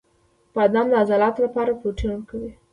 • بادام د عضلاتو لپاره پروټین ورکوي.